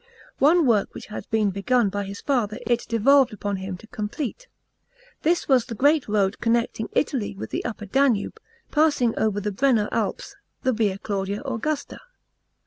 * One work which had been begun by his father it devolved upon him to complete. This was the great road connecting Italy with the U pper Danube, passing over the Brenner Alps, the Via Claudia Augusta.